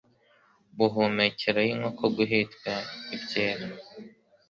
buhumekero y inkoko guhitwa ibyera